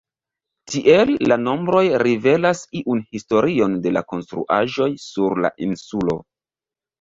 Tiel la nombroj rivelas iun historion de la konstruaĵoj sur la insulo.